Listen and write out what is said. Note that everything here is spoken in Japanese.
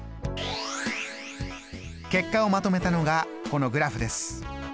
結果をまとめたのがこのグラフです。